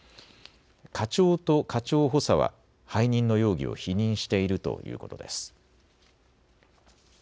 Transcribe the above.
課長と課長補佐は背任の容疑を否認しているということです。